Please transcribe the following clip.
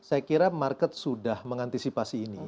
saya kira market sudah mengantisipasi ini